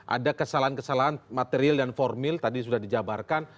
ada kesalahan kesalahan material dan formil tadi sudah dijabarkan